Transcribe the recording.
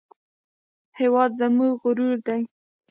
هېواد زموږ غرور دی